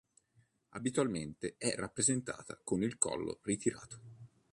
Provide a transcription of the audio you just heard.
Abitualmente è rappresentata con il collo ritirato.